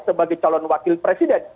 sebagai calon wakil presiden